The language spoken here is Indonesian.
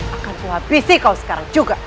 akan ku habisi kau sekarang juga